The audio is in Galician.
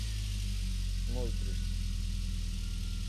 Moi triste...